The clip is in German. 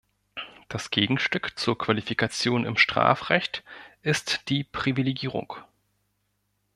Das Gegenstück zur Qualifikation im Strafrecht ist die Privilegierung.